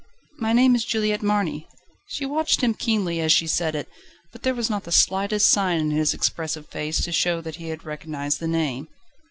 "My name is Juliette Marny." She watched him keenly as she said it, but there was not the slightest sign in his expressive face, to show that he had recognised the name.